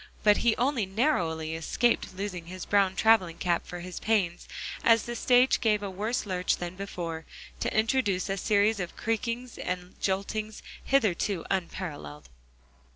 But he only narrowly escaped losing his brown traveling cap for his pains, as the stage gave a worse lurch than before, to introduce a series of creakings and joltings hitherto unparalleled.